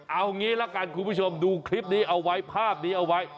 เอางี้ละกันคุณผู้ชมดูคลิปนี้เอาไว้ภาพนี้เอาไว้